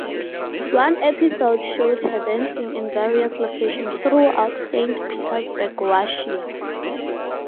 One episode showed her dancing in various locations throughout Saint Petersburg, Russia.